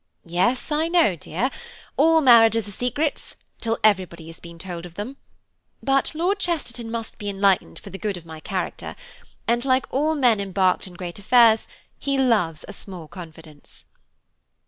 "Yes, I know, dear–all marriages are secrets, till everybody has been told of them; but Lord Chesterton must be enlightened for the good of my character; and like all men embarked in great affairs, he loves a small confidence."